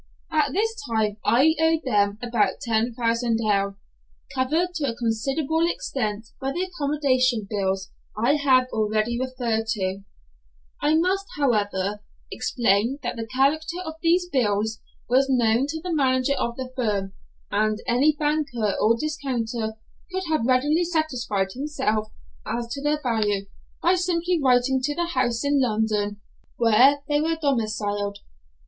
At this time I owed them about 10,000_l._, covered to a considerable extent by the accommodation bills I have already referred to; I must, however, explain that the character of these bills was known to the manager of the firm, and any banker or discounter could have readily satisfied himself as to their value by simply writing to the house in London where they were domiciled.